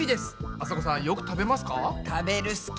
あさこさんよく食べますか？